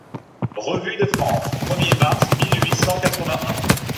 REVUE DE FRANCE, premier mars mille huit cent quatre-vingt-un.